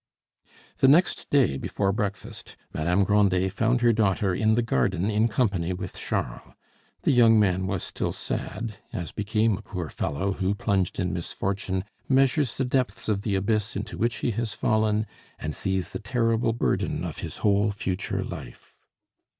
The next day, before breakfast, Madame Grandet found her daughter in the garden in company with Charles. The young man was still sad, as became a poor fellow who, plunged in misfortune, measures the depths of the abyss into which he has fallen, and sees the terrible burden of his whole future life.